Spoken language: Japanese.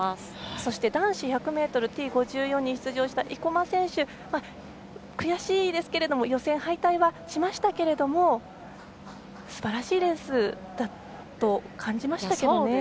そして男子１００ｍＴ５４に出場した生馬選手、悔しいですけれども予選敗退はしましたけれどもすばらしいレースだと感じましたけどね。